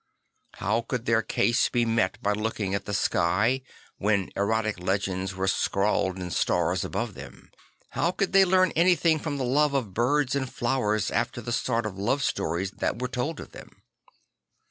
How could their case be met by looking at the sky, when erotic legends were scrawled in stars across it; how could they learn anything from the love of birds and flowers after the sort of love stories that were told of them?